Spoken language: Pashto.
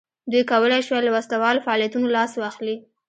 دوی کولای شوای له وسله والو فعالیتونو لاس واخلي.